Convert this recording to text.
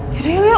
yaudah yuk yuk